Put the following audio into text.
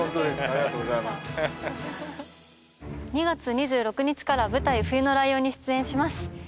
２月２６日から舞台『冬のライオン』に出演します。